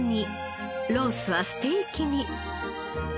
ロースはステーキに。